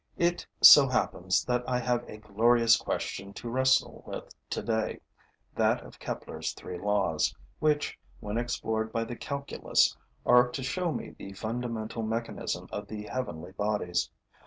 It so happens that I have a glorious question to wrestle with today; that of Kepler's three laws, which, when explored by the calculus, are to show me the fundamental mechanism of the heavenly bodies.